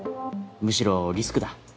むしろリスクだ。